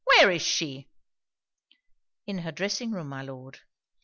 'Where is she?' 'In her dressing room, my Lord.'